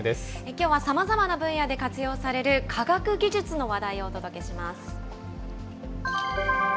きょうはさまざまな分野で活用される科学技術の話題をお届けします。